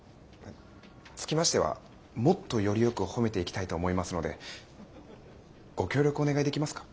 つきましてはもっとよりよく褒めていきたいと思いますのでご協力お願いできますか。